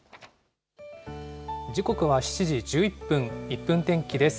時刻は７時１１分、１分天気です。